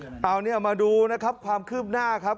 เอาเนี่ยมาดูนะครับความคืบหน้าครับ